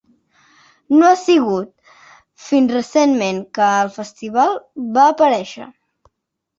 No ha sigut fins recentment que el festival va aparèixer.